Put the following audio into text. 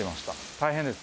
大変です。